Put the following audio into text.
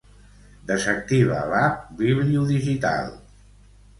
Desactiva l'app Biblio Digital.